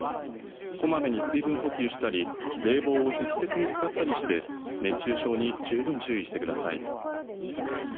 こまめに水分補給したり冷房を適切に使ったりして熱中症に十分注意してください。